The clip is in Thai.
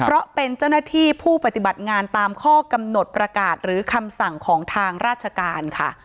เพราะเป็นเจ้าหน้าที่ผู้ปฏิบัติงานตามข้อกำหนดประกาศหรือคำสั่งของทางราชการค่ะ